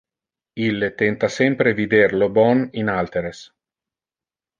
Ille tenta sempre vider lo bon in alteres.